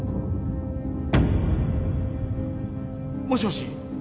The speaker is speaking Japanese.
もしもし？